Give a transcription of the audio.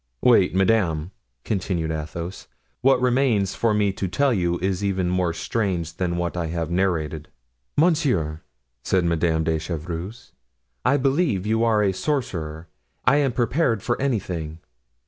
"Wait, madame," continued Athos, "what remains for me to tell you is even more strange than what I have narrated." "Monsieur," said Madame de Chevreuse, "I believe you are a sorcerer; I am prepared for anything.